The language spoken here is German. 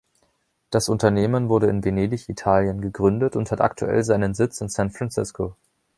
Das Unternehmen wurde in Venedig, Italien, gegründet und hat aktuell seinen Sitz in San Francisco.